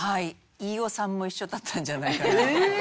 飯尾さんも一緒だったんじゃないかな。